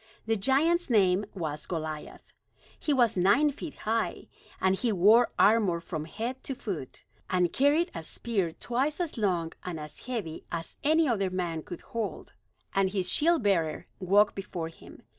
The giant's name was Goliath. He was nine feet high; and he wore armor from head to foot, and carried a spear twice as long and as heavy as any other man could hold; and his shield bearer walked before him.